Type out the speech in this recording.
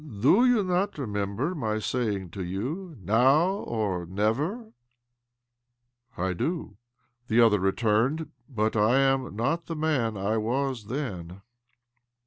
Do you not remember my say ing to you, 'Now or never '?"" I do," the other returned. " But I am not the man I then was.